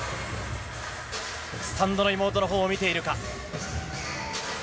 スタンドの妹のほうを見ているか。